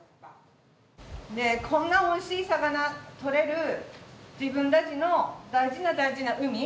こんなおいしい魚とれる自分たちの大事な大事な海。